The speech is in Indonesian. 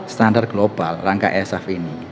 standar global rangka isf ini